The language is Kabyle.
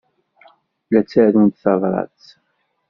La ttarunt tabṛat?